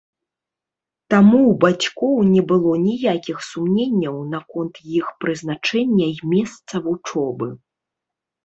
Таму ў бацькоў не было ніякіх сумненняў наконт іх прызначэння і месца вучобы.